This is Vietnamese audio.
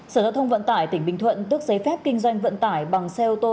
sở giao thông vận tải tỉnh bình thuận tước giấy phép kinh doanh vận tải bằng xe ô tô